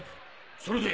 それで？